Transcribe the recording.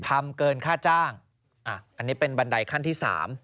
ทำเกินค่าจ้างอันนี้เป็นบันไดขั้นที่๓